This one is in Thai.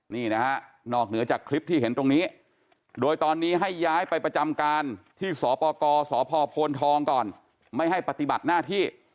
นี่นะฮะนอกเหนือจากคลิปที่เห็นตรงนี้โดยตอนนี้ให้ย้ายไปประจำการที่สปกสพโพนทองก่อนไม่ให้ปฏิบัติหน้าที่